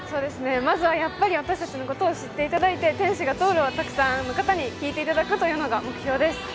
まずはやっぱり私たちのことを知っていただいて「天使が通る」をたくさんの方に聴いていただくのが目標です。